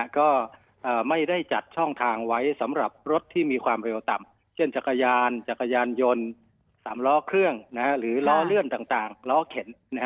ก็ไม่ได้จัดช่องทางไว้สำหรับรถที่มีความเร็วต่ำเช่นจักรยานจักรยานยนต์๓ล้อเครื่องหรือล้อเลื่อนต่างล้อเข็น